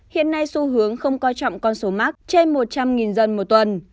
hiện nay xu hướng không coi trọng con số mắc trên một trăm linh dân một tuần